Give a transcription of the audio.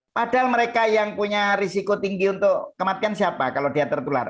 padahal mereka yang punya risiko tinggi untuk kematian siapa kalau dia tertular